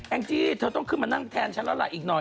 แองจีต้องขึ้นมานั่งแทนฉันแล้วอีกหน่อย